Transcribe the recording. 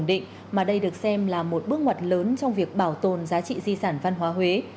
đây được xem là một bước ngoặt lớn trong việc bảo tồn giá trị di sản văn hóa huế